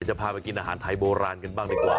จะพาไปกินอาหารไทยโบราณกันบ้างดีกว่า